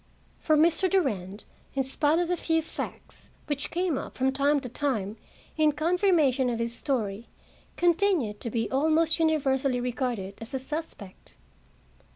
For Mr. Durand, in spite of the few facts which came up from time to time in confirmation of his story, continued to be almost universally regarded as a suspect.